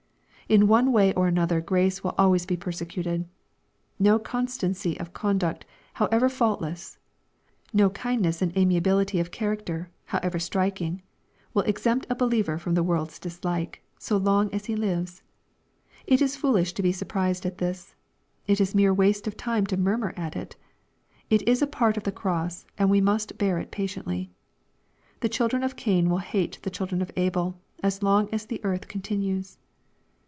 In one way or another grace will always be persecuted. No consistency of conduct, however faultless, no kindness and amiability of character, however striking, will exempt a believer from the world's dislike, so long as he lives. It is foolish to be surprised at this. It is mere waste of time to murmur at it. It is a part of the cross, and we must bear it patiently. The children of Cain will hate the children of Abel, as long as the earth continues.